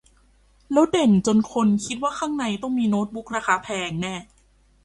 แล้วเด่นจนคนคิดว่าข้างในต้องมีโน๊ตบุ๊กราคาแพงแน่